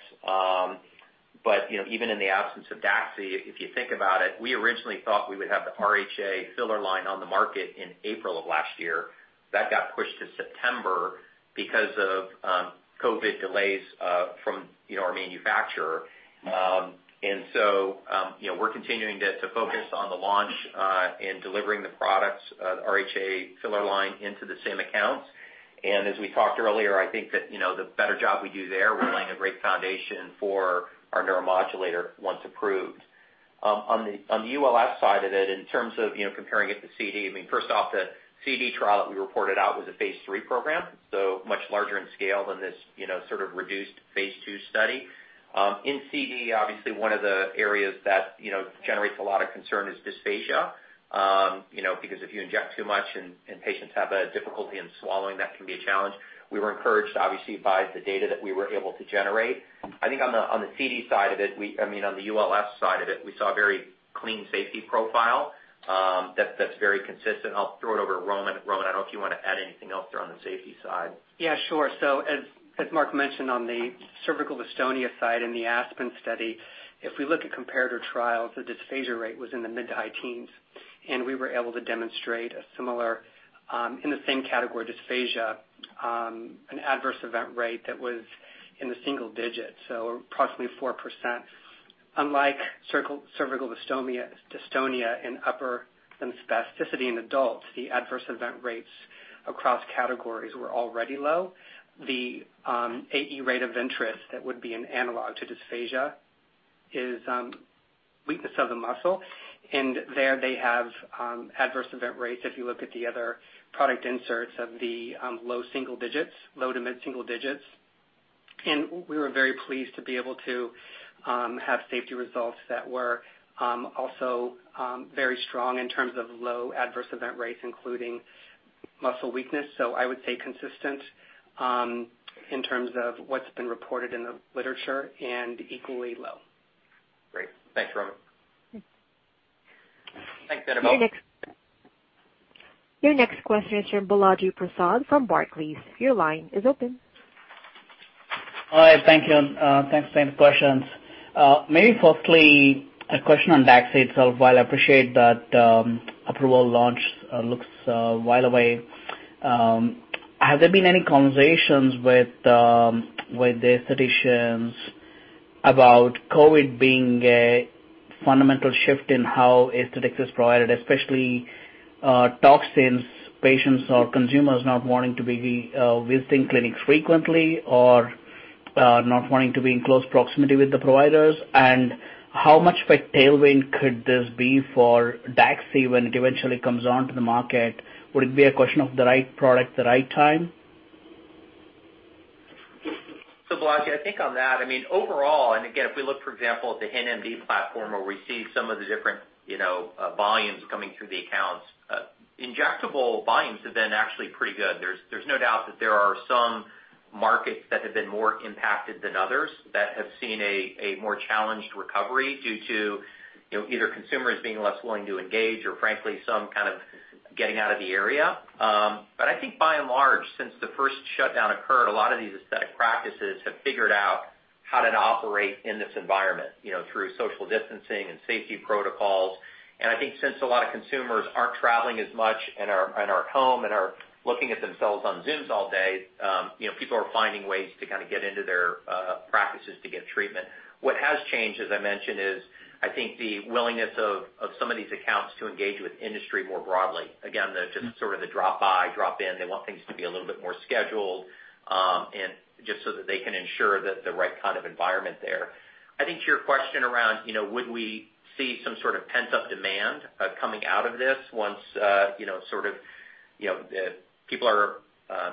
Even in the absence of DAXI, if you think about it, we originally thought we would have the RHA filler line on the market in April of last year. That got pushed to September because of COVID delays from our manufacturer. We're continuing to focus on the launch and delivering the products of RHA filler line into the same accounts. As we talked earlier, I think that the better job we do there, we're laying a great foundation for our neuromodulator, once approved. On the ULS side of it, in terms of comparing it to CD, I mean, first off, the CD trial that we reported out was a phase III program, so much larger in scale than this sort of reduced phase II study. In CD, obviously, one of the areas that generates a lot of concern is dysphagia. Because if you inject too much and patients have a difficulty in swallowing, that can be a challenge. We were encouraged, obviously, by the data that we were able to generate. I think on the CD side of it, I mean, on the ULS side of it, we saw a very clean safety profile that's very consistent. I'll throw it over to Roman. Roman, I don't know if you want to add anything else there on the safety side. Yeah, sure. As Mark mentioned on the cervical dystonia side in the ASPEN study, if we look at comparator trials, the dysphagia rate was in the mid-to-high teens, and we were able to demonstrate a similar, in the same category, dysphagia, an adverse event rate that was in the single digits, so approximately 4%. Unlike cervical dystonia in upper limb spasticity in adults, the adverse event rates across categories were already low. The AE rate of interest, that would be an analog to dysphagia, is weakness of the muscle, and there they have adverse event rates, if you look at the other product inserts, of the low-single digits, low- to mid-single digits. We were very pleased to be able to have safety results that were also very strong in terms of low adverse event rates, including muscle weakness. I would say consistent in terms of what's been reported in the literature, and equally low. Great. Thanks, Roman. Thanks, Annabel. Your next question is from Balaji Prasad from Barclays. Your line is open. All right, thank you, and thanks for the questions. Maybe firstly, a question on DAXI itself. While I appreciate that approval launch looks a while away, has there been any conversations with the aestheticians about COVID being a fundamental shift in how aesthetics is provided, especially toxins, patients or consumers not wanting to be visiting clinics frequently or not wanting to be in close proximity with the providers? How much of a tailwind could this be for DAXI when it eventually comes onto the market? Would it be a question of the right product at the right time? Balaji, I think on that, I mean, overall, again, if we look for example at the HintMD platform where we see some of the different volumes coming through the accounts, injectable volumes have been actually pretty good. There's no doubt that there are some markets that have been more impacted than others, that have seen a more challenged recovery due to either consumers being less willing to engage or frankly, some kind of getting out of the area. I think by and large, since the first shutdown occurred, a lot of these aesthetic practices have figured out how to operate in this environment, through social distancing and safety protocols. I think since a lot of consumers aren't traveling as much and are at home and are looking at themselves on Zoom all day, people are finding ways to kind of get into their practices to get treatment. What has changed, as I mentioned, is I think the willingness of some of these accounts to engage with industry more broadly. Again, the just sort of the drop by, drop in. They want things to be a little bit more scheduled, and just so that they can ensure that the right kind of environment there. I think to your question around would we see some sort of pent-up demand coming out of this once people are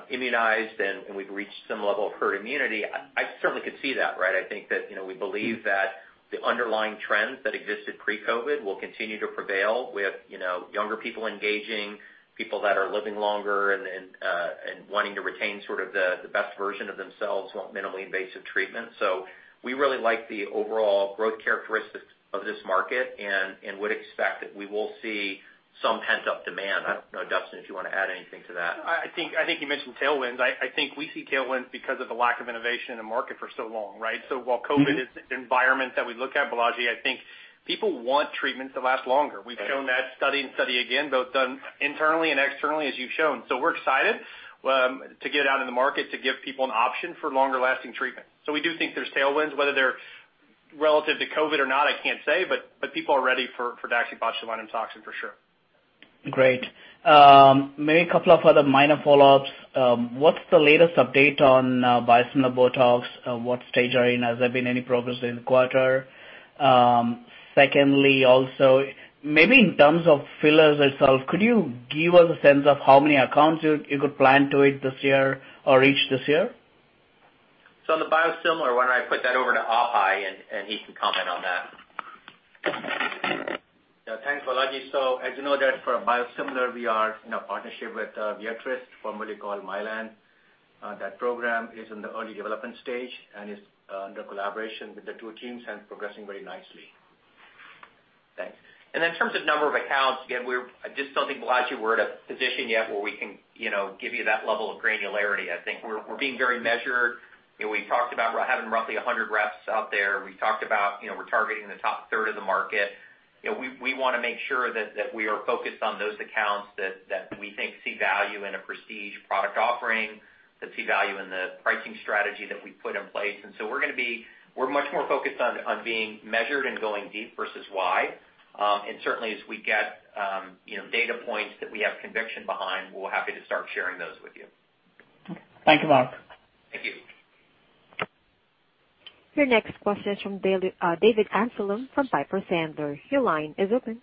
immunized and we've reached some level of herd immunity, I certainly could see that, right? I think that we believe that the underlying trends that existed pre-COVID will continue to prevail with younger people engaging, people that are living longer and wanting to retain sort of the best version of themselves, want minimally invasive treatment. We really like the overall growth characteristics of this market and would expect that we will see some pent-up demand. I don't know, Dustin, if you want to add anything to that. I think you mentioned tailwinds. I think we see tailwinds because of the lack of innovation in the market for so long, right? While COVID-19 is the environment that we look at, Balaji, I think people want treatments that last longer. We've shown that study and study again, both done internally and externally as you've shown. We're excited to get out in the market to give people an option for longer lasting treatment. We do think there's tailwinds. Whether they're relative to COVID-19 or not, I can't say, but people are ready for daxibotulinumtoxinA for sure. Great. Maybe a couple of other minor follow-ups. What's the latest update on biosimilar BOTOX? What stage are you in? Has there been any progress in the quarter? Also, maybe in terms of fillers itself, could you give us a sense of how many accounts you could plan to hit this year or reach this year? On the biosimilar one, I put that over to Abhay and he can comment on that. Yeah, thanks, Balaji. As you know that for biosimilar, we are in a partnership with Viatris, formerly called Mylan. That program is in the early development stage and is under collaboration with the two teams and progressing very nicely. Thanks. In terms of number of accounts, again, I just don't think we're actually at a position yet where we can give you that level of granularity. I think we're being very measured. We talked about having roughly 100 reps out there. We talked about we're targeting the top third of the market. We want to make sure that we are focused on those accounts that we think see value in a prestige product offering, that see value in the pricing strategy that we put in place. So we're much more focused on being measured and going deep versus wide. Certainly as we get data points that we have conviction behind, we'll be happy to start sharing those with you. Okay. Thank you, Mark. Thank you. Your next question is from David Amsellem from Piper Sandler. Your line is open.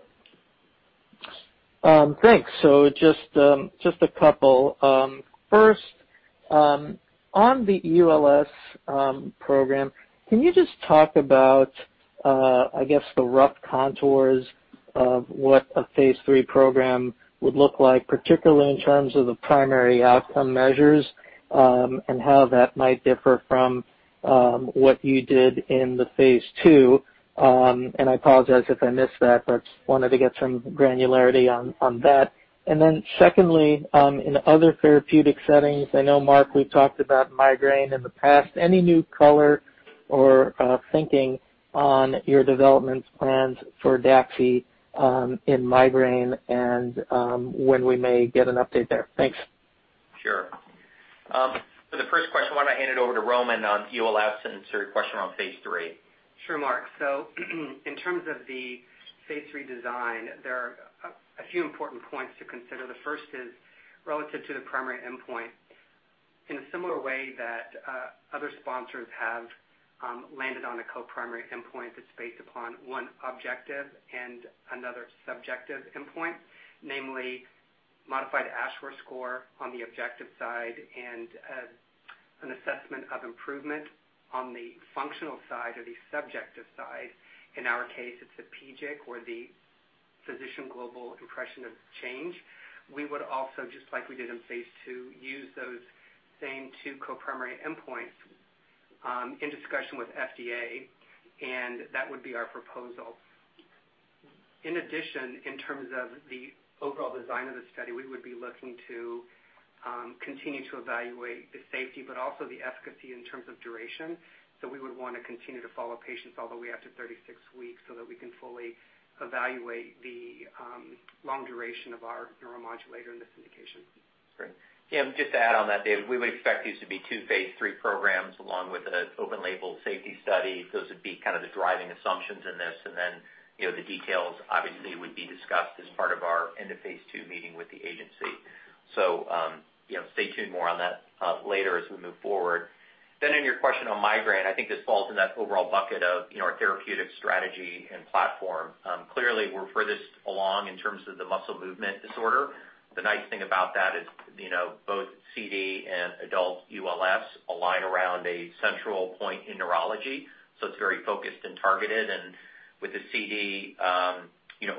Thanks. Just a couple. First, on the ULS program, can you just talk about, I guess, the rough contours of what a phase III program would look like, particularly in terms of the primary outcome measures, and how that might differ from what you did in the phase II? I apologize if I missed that, but just wanted to get some granularity on that. Then secondly, in other therapeutic settings, I know Mark, we've talked about migraine in the past. Any new color or thinking on your development plans for DAXI in migraine and when we may get an update there? Thanks. Sure. For the first question, why don't I hand it over to Roman on ULS and answer your question on phase III. Sure, Mark. In terms of the phase III design, there are a few important points to consider. The first is relative to the primary endpoint. In a similar way that other sponsors have landed on a co-primary endpoint that's based upon one objective and another subjective endpoint, namely modified Ashworth score on the objective side and an assessment of improvement on the functional side or the subjective side. In our case, it's the PGIC or the physician global impression of change. We would also, just like we did in phase II, use those same two co-primary endpoints in discussion with FDA, and that would be our proposal. In addition, in terms of the overall design of the study, we would be looking to continue to evaluate the safety, but also the efficacy in terms of duration. We would want to continue to follow patients all the way up to 36 weeks so that we can fully evaluate the long duration of our neuromodulator in this indication. Great. Just to add on that, David, we would expect these to be two phase III programs along with an open label safety study. Those would be kind of the driving assumptions in this. The details obviously would be discussed as part of our end of phase II meeting with the agency. Stay tuned more on that later as we move forward. In your question on migraine, I think this falls in that overall bucket of our therapeutic strategy and platform. Clearly, we're furthest along in terms of the muscle movement disorder. The nice thing about that is both CD and adult ULS align around a central point in neurology. It's very focused and targeted. With the CD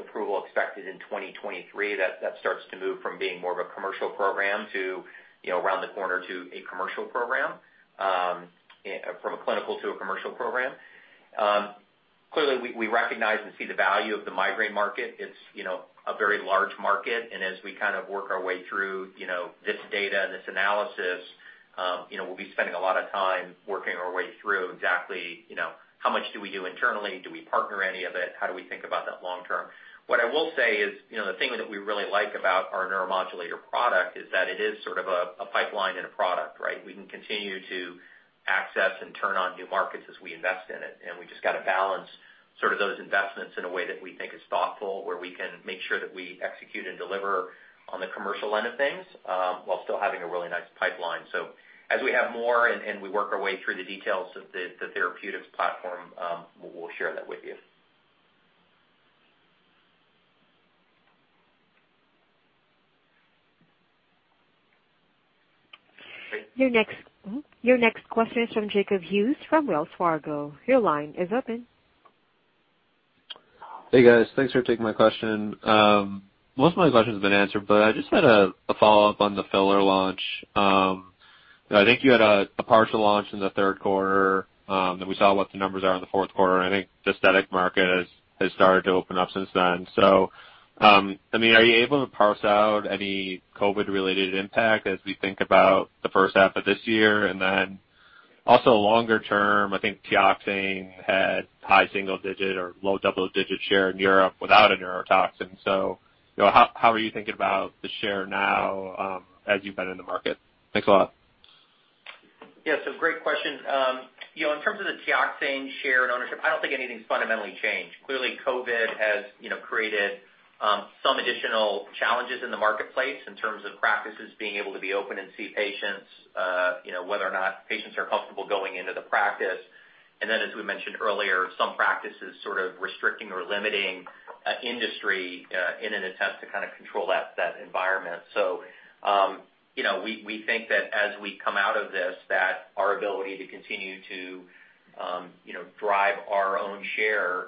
approval expected in 2023, that starts to move from being more of a commercial program to around the corner to a commercial program. From a clinical to a commercial program. Clearly, we recognize and see the value of the migraine market. It's a very large market. As we kind of work our way through this data and this analysis, we'll be spending a lot of time working our way through exactly how much do we do internally. Do we partner any of it? How do we think about that long term? What I will say is the thing that we really like about our neuromodulator product is that it is sort of a pipeline and a product, right? We can continue to access and turn on new markets as we invest in it. We've just got to balance those investments in a way that we think is thoughtful, where we can make sure that we execute and deliver on the commercial end of things while still having a really nice pipeline. As we have more and we work our way through the details of the therapeutics platform, we'll share that with you. Your next question is from Jacob Hughes from Wells Fargo. Your line is open. Hey, guys. Thanks for taking my question. Most of my questions have been answered, but I just had a follow-up on the filler launch. I think you had a partial launch in the third quarter, then we saw what the numbers are in the fourth quarter. I think the aesthetic market has started to open up since then. Are you able to parse out any COVID-19-related impact as we think about the first half of this year? Also longer term, I think Teoxane had high-single-digit or low-double-digit share in Europe without a neurotoxin. How are you thinking about the share now as you've been in the market? Thanks a lot. Yeah, great question. In terms of the Teoxane share and ownership, I don't think anything's fundamentally changed. Clearly, COVID has created some additional challenges in the marketplace in terms of practices being able to be open and see patients, whether or not patients are comfortable going into the practice. As we mentioned earlier, some practices sort of restricting or limiting industry in an attempt to kind of control that environment. We think that as we come out of this, that our ability to continue to drive our own share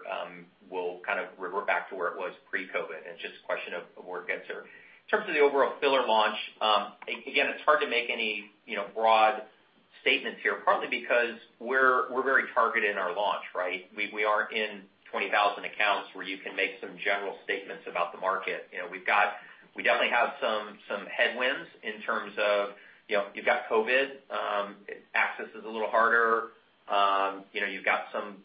will kind of revert back to where it was pre-COVID and just a question of where it gets there. In terms of the overall filler launch, again, it's hard to make any broad statements here, partly because we're very targeted in our launch. We aren't in 20,000 accounts where you can make some general statements about the market. We definitely have some headwinds in terms of, you've got COVID. Access is a little harder. You've got some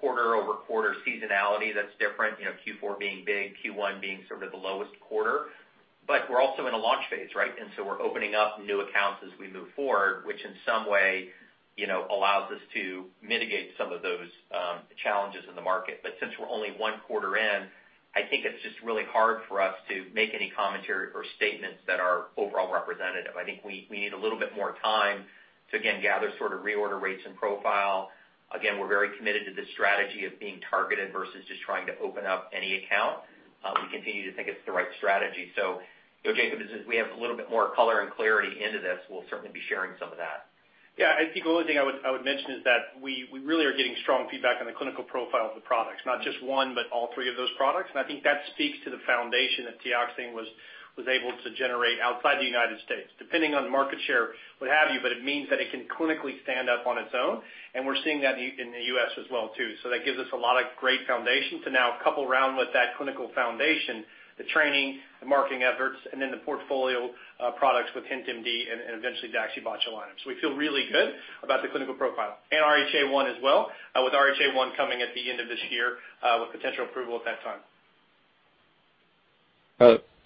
quarter-over-quarter seasonality that's different, Q4 being big, Q1 being sort of the lowest quarter. We're also in a launch phase. We're opening up new accounts as we move forward, which in some way, allows us to mitigate some of those challenges in the market. Since we're only one quarter in, I think it's just really hard for us to make any commentary or statements that are overall representative. I think we need a little bit more time to, again, gather sort of reorder rates and profile. We're very committed to this strategy of being targeted versus just trying to open up any account. We continue to think it's the right strategy. Jacob, as we have a little bit more color and clarity into this, we'll certainly be sharing some of that. Yeah, I think the only thing I would mention is that we really are getting strong feedback on the clinical profile of the products. Not just one, but all three of those products. I think that speaks to the foundation that Teoxane was able to generate outside the United States. Depending on market share, what have you, but it means that it can clinically stand up on its own, and we're seeing that in the U.S. as well too. That gives us a lot of great foundation to now couple around with that clinical foundation, the training, the marketing efforts, and then the portfolio of products with HintMD, and eventually the daxibotulinumtoxinA. We feel really good about the clinical profile and RHA 1 as well, with RHA 1 coming at the end of this year, with potential approval at that time.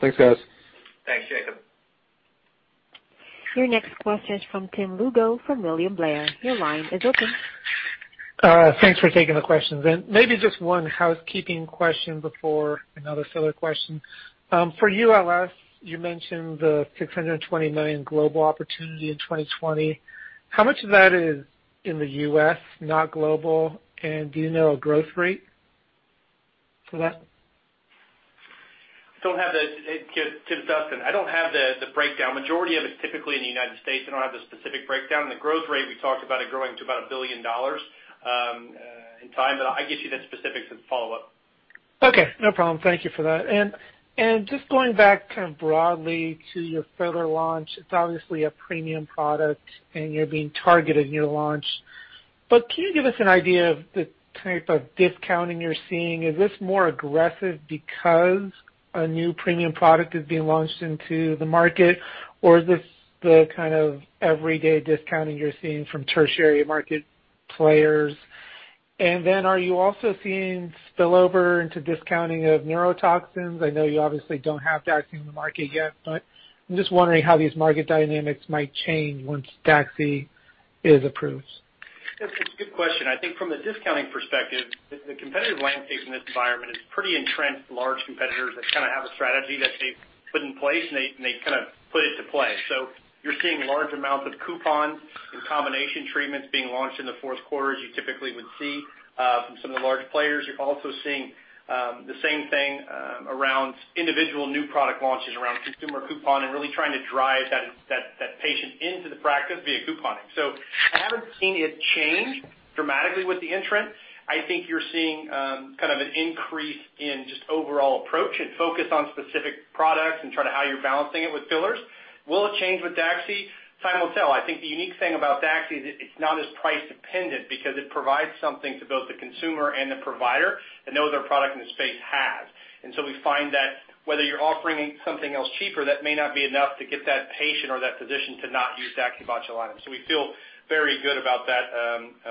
Thanks, guys. Thanks, Jacob. Your next question is from Tim Lugo from William Blair. Your line is open. Thanks for taking the questions. Maybe just one housekeeping question before another filler question. For ULS, you mentioned the $620 million global opportunity in 2020. How much of that is in the U.S., not global? Do you know a growth rate for that? Tim, it's Dustin. I don't have the breakdown. Majority of it's typically in the United States. I don't have the specific breakdown. The growth rate, we talked about it growing to about $1 billion in time. I'll get you the specifics as a follow-up. Okay, no problem. Thank you for that. Just going back kind of broadly to your filler launch, it's obviously a premium product and you're being targeted in your launch. Can you give us an idea of the type of discounting you're seeing? Is this more aggressive because a new premium product is being launched into the market, or is this the kind of everyday discounting you're seeing from tertiary market players? Are you also seeing spillover into discounting of neurotoxins? I know you obviously don't have DAXI in the market yet, but I'm just wondering how these market dynamics might change once DAXI is approved. It's a good question. I think from a discounting perspective, the competitive landscape in this environment is pretty entrenched with large competitors that kind of have a strategy that they've put in place, and they kind of put into play. You're seeing large amounts of coupons and combination treatments being launched in the fourth quarter, as you typically would see from some of the larger players. You're also seeing the same thing around individual new product launches around consumer coupon and really trying to drive that patient into the practice via couponing. I haven't seen it change dramatically with the entrant. I think you're seeing an increase in just overall approach and focus on specific products and try to how you're balancing it with fillers. Will it change with DAXI? Time will tell. I think the unique thing about DAXI is it's not as price-dependent because it provides something to both the consumer and the provider that no other product in the space has. We find that whether you're offering something else cheaper, that may not be enough to get that patient or that physician to not use daxibotulinumtoxinA. We feel very good about that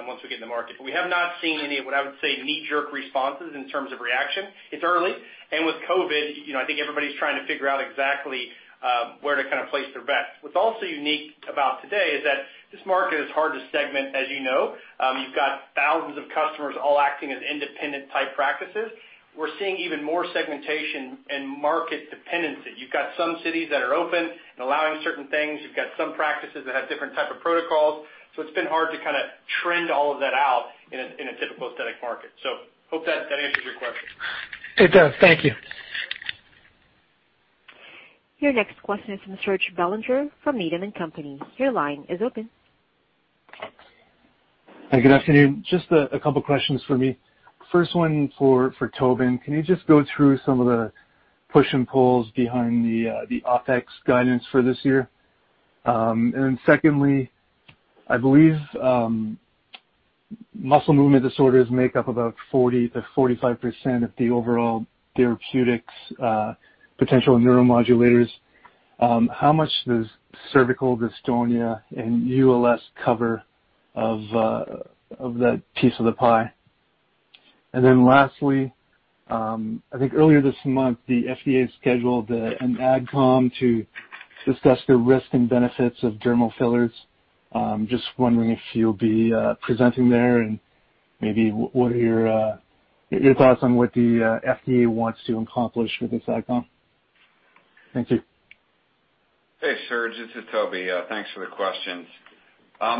once we get in the market. We have not seen any, what I would say, knee-jerk responses in terms of reaction. It's early, and with COVID-19, I think everybody's trying to figure out exactly where to place their bets. What's also unique about today is that this market is hard to segment, as you know. You've got thousands of customers all acting as independent-type practices. We're seeing even more segmentation and market dependency. You've got some cities that are open and allowing certain things. You've got some practices that have different type of protocols. It's been hard to kind of trend all of that out in a typical aesthetic market. Hope that answers your question. It does. Thank you. Your next question is from Serge Belanger from Needham & Company. Your line is open. Hi, good afternoon. Just a couple of questions for me. First one for Tobin. Can you just go through some of the push and pulls behind the OpEx guidance for this year? Secondly, I believe muscle movement disorders make up about 40%-45% of the overall therapeutics potential neuromodulators. How much does cervical dystonia and ULS cover of that piece of the pie? Lastly, I think earlier this month, the FDA scheduled an AdCom to discuss the risk and benefits of dermal fillers. Just wondering if you'll be presenting there and maybe what are your thoughts on what the FDA wants to accomplish with this AdCom? Thank you. Hey, Serge. This is Toby. Thanks for the questions.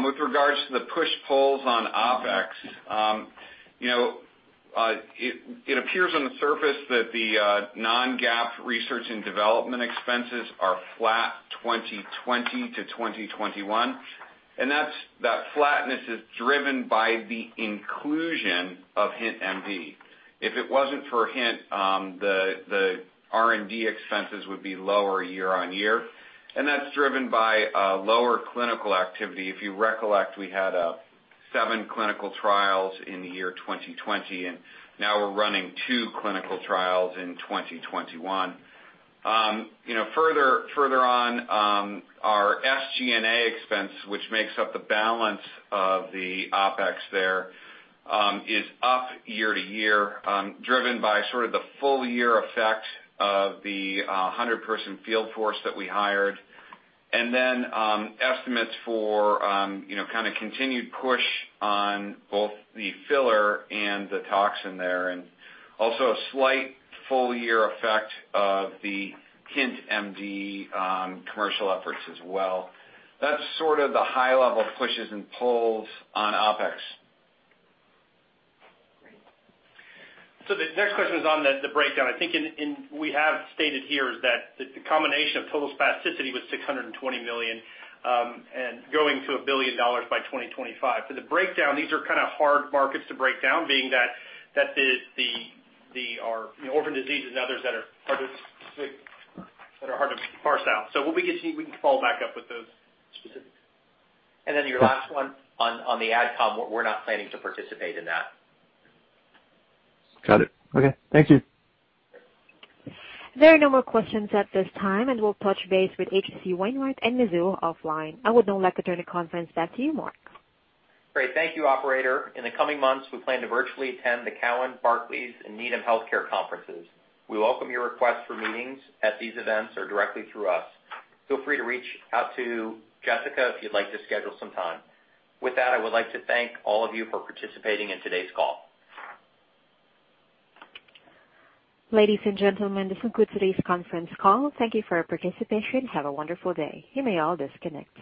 With regards to the push-pulls on OpEx. It appears on the surface that the non-GAAP research and development expenses are flat 2020 to 2021. That flatness is driven by the inclusion of HintMD. If it wasn't for HINT, the R&D expenses would be lower year on year, and that's driven by lower clinical activity. If you recollect, we had seven clinical trials in the year 2020. Now we're running two clinical trials in 2021. Further on, our SG&A expense, which makes up the balance of the OpEx there, is up year to year, driven by sort of the full year effect of the 100-person field force that we hired. Estimates for kind of continued push on both the filler and the toxin there, and also a slight full year effect of the HintMD commercial efforts as well. That's sort of the high level pushes and pulls on OpEx. Great. The next question is on the breakdown. I think we have stated here is that the combination of total spasticity was $620 million, and going to $1 billion by 2025. For the breakdown, these are kind of hard markets to break down, being that the orphan disease and others that are hard to parse out. When we get to you, we can follow back up with those specifics. Your last one on the AdCom, we're not planning to participate in that. Got it. Okay. Thank you. There are no more questions at this time, and we'll touch base with H.C. Wainwright and Mizuho offline. I would now like to turn the conference back to you, Mark. Great. Thank you, operator. In the coming months, we plan to virtually attend the Cowen, Barclays, and Needham Healthcare conferences. We welcome your request for meetings at these events or directly through us. Feel free to reach out to Jessica if you'd like to schedule some time. With that, I would like to thank all of you for participating in today's call. Ladies and gentlemen, this concludes today's conference call. Thank you for your participation. Have a wonderful day. You may all disconnect.